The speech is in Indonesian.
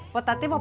potati mau pambah